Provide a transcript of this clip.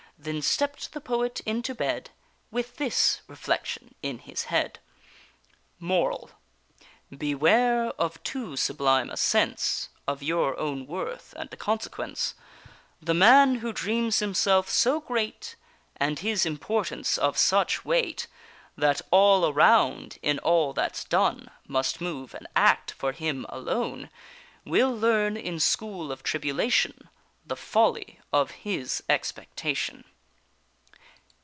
Then stepp'd the poet into bed With this reflection in his head: MORAL. Beware of too sublime a sense Of your own worth and consequence: The man who dreams himself so great, And his importance of such weight, That all around, in all that's done, Must move and act for him alone, Will learn in school of tribulation The folly of his expectation.